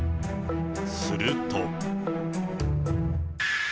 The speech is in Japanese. すると。